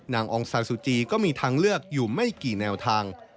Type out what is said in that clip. องซาซูจีก็มีทางเลือกอยู่ไม่กี่แนวทาง